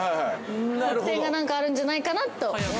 特典がなんかあるんじゃないかなと。